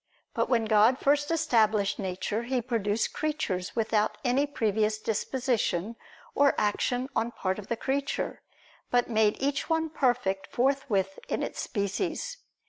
But when God first established nature, He produced creatures without any previous disposition or action on the part of the creature, but made each one perfect forthwith in its species.